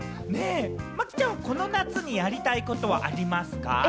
麻貴ちゃん、この夏にやりたいことはありますか？